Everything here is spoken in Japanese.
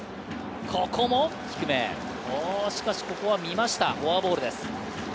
ここも低め、ここは見ましたフォアボールです。